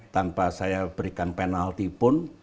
tanpa saya berikan penalti pun